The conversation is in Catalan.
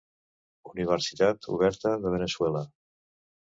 Universitat oberta de Veneçuela.